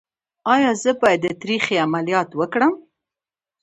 ایا زه باید د تریخي عملیات وکړم؟